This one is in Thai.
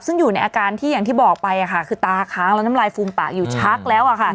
ซึ่งอยู่ในอาการที่อย่างที่บอกไปคือตาค้างแล้วน้ำลายฟูมปากอยู่ชักแล้ว